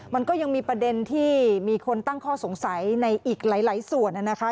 มันก็ยังมีประเด็นที่มีคนตั้งข้อสงสัยในอีกหลายส่วนนะคะ